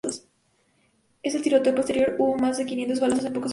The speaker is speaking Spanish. En el tiroteo posterior hubo más de quinientos balazos en pocos minutos.